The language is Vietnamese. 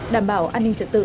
đảm bảo an ninh trật tự